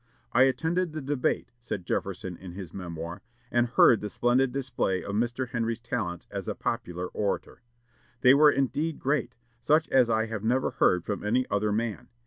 "I attended the debate," said Jefferson in his Memoir, "and heard the splendid display of Mr. Henry's talents as a popular orator. They were indeed great; such as I have never heard from any other man.